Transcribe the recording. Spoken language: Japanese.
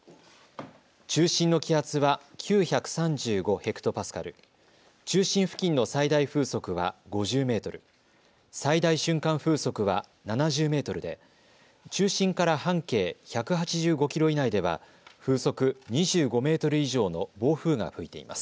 中心の気圧は９３５ｈＰａ、中心付近の最大風速は５０メートル、最大瞬間風速は７０メートルで中心から半径１８５キロ以内では風速２５メートル以上の暴風が吹いています。